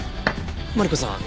マリコさん